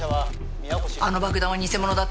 あの爆弾は偽物だった。